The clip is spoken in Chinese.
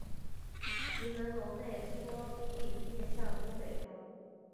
其门楼内缩并面向东北方。